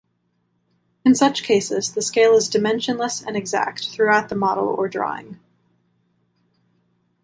In such cases the scale is dimensionless and exact throughout the model or drawing.